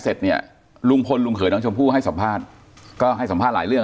เสร็จเนี่ยลุงพลลุงเขยน้องชมพู่ให้สัมภาษณ์ก็ให้สัมภาษณ์หลายเรื่อง